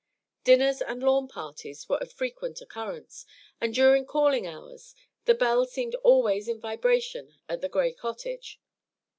Dinners and lawn parties were of frequent occurrence, and during calling hours the bell seemed always in vibration at the Gray cottage.